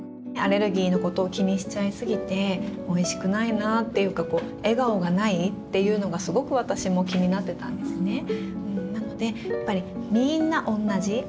アレルギーのことを気にしちゃい過ぎておいしくないなっていうか笑顔がないっていうのがすごく私も気になってたんですね。